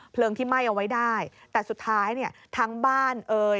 เพลิงที่ไหม้เอาไว้ได้แต่สุดท้ายทั้งบ้านเอ่ย